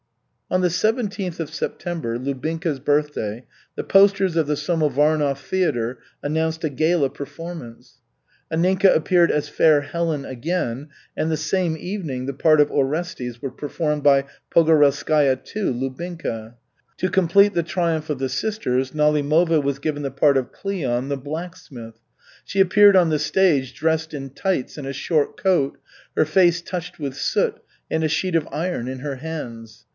On the seventeenth of September, Lubinka's birthday, the posters of the Samovarnov theatre announced a gala performance. Anninka appeared as Fair Helen again, and the same evening the part of Orestes was performed by Pogorelskaya II, Lubinka. To complete the triumph of the sisters, Nalimova was given the part of Cleon, the blacksmith. She appeared on the stage dressed in tights and a short coat, her face touched with soot, and a sheet of iron in her hands.